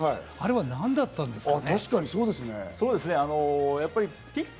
あれは、何だったんですかね？